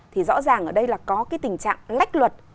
thì rõ ràng ở đây là có cái tình trạng lách luật